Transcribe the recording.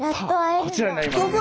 さあこちらになります。